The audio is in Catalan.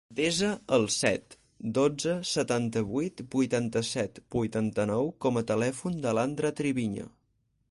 Desa el set, dotze, setanta-vuit, vuitanta-set, vuitanta-nou com a telèfon de l'Andra Triviño.